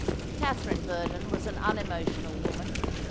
Katherine Verdon was an unemotional woman.